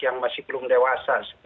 yang masih belum dewasa